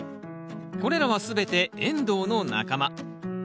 これらは全てエンドウの仲間。